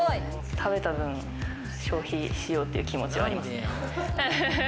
食べた分消費しようっていう気持ちはありますね。